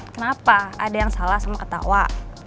kenapa ada yang salah sama ketawa